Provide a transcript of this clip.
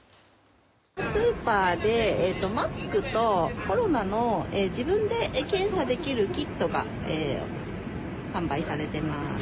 スーパーでマスクとコロナの自分で検査できるキットが販売されています。